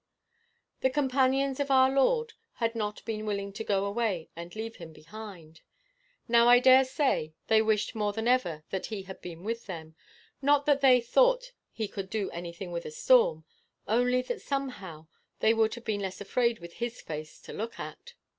"The companions of our Lord had not been willing to go away and leave him behind. Now, I dare say, they wished more than ever that he had been with them not that they thought he could do anything with a storm, only that somehow they would have been less afraid with his face to look at.